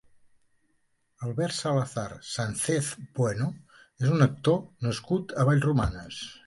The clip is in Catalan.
Albert Salazar Sáncez-Bueno és un actor nascut a Vallromanes.